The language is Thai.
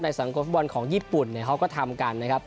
สังคมฟุตบอลของญี่ปุ่นเนี่ยเขาก็ทำกันนะครับ